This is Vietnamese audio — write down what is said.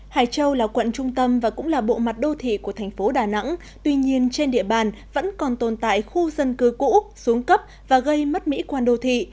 hải châu là quận trung tâm và cũng là bộ mặt đô thị của thành phố đà nẵng tuy nhiên trên địa bàn vẫn còn tồn tại khu dân cư cũ xuống cấp và gây mất mỹ quan đô thị